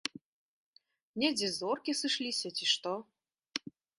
Недзе зоркі сышліся, ці што.